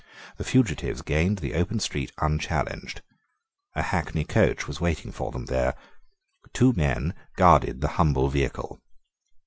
The fugitives gained the open street unchallenged. A hackney coach was in waiting for them there. Two men guarded the humble vehicle.